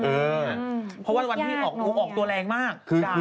เพราะว่าวันที่ออกตัวแรงมาก